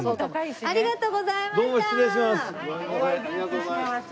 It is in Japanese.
ありがとうございます。